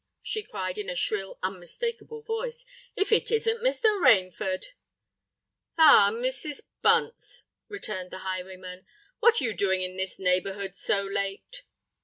she cried, in a shrill, unmistakeable voice,—"if it isn't Mr. Rainford!" "Ah! Mrs. Bunce," returned the highwayman; "what are you doing in this neighbourhood so late?"